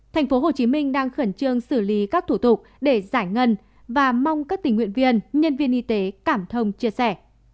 tp hcm đang khẩn trương xử lý các thủ tục để giải ngân và mong các tình nguyện viên nhân viên y tế cảm thông chia sẻ